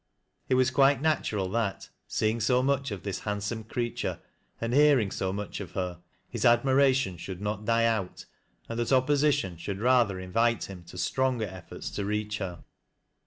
It was quite natural that, seeing so much of this handsome creature, and hear ing so much of her, his admiration should not die out, and that opposition should rather invite him to sti onger efforts to reach her.